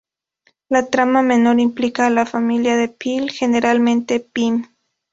La trama menor, implica a la familia de Phil, generalmente Pim.